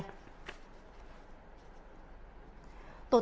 tổ tần tra